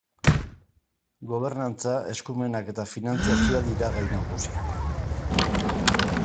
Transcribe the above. Gobernantza, eskumenak eta finantzazioa dira gai nagusiak.